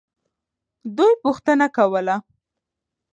دوی پوښتنه کوله.